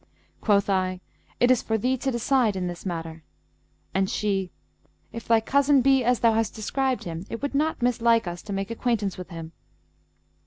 Quoth I, 'It is for thee to decide in this matter;' and she, 'If thy cousin be as thou hast described him, it would not mislike us to make acquaintance with him.'